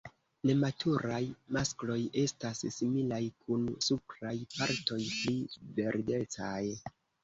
Nematuraj maskloj estas similaj kun supraj partoj pli verdecaj.